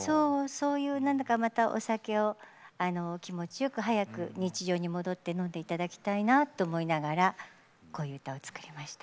そういうまたお酒を気持ちよく早く日常に戻って飲んでいただきたいなと思いながらこういう歌を作りました。